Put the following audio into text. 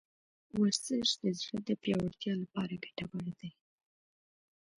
ورزش د زړه د پیاوړتیا لپاره ګټور دی.